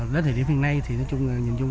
đến thời điểm hiện nay